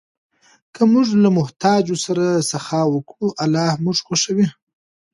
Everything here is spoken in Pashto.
که موږ له محتاجو سره سخا وکړو، الله مو خوښوي.